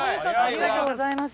ありがとうございます。